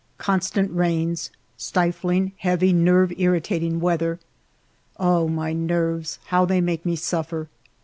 Constant rains ; stifling, heavy, nerve irritating weather. Oh, my nerves, how they make me suffer!